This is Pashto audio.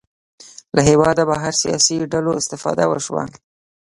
له هېواده بهر سیاسي ډلو استفاده وشوه